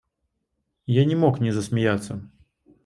Я не мог не засмеяться.